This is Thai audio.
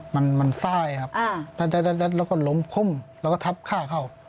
มันซ่ายครับแล้วก็ล้มคุ่มแล้วก็ทับค่าเข้า